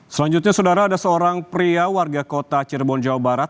selanjutnya saudara ada seorang pria warga kota cirebon jawa barat